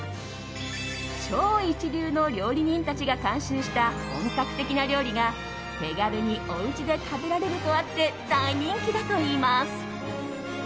超一流の料理人たちが監修した本格的な料理が手軽におうちで食べられるとあって大人気だといいます。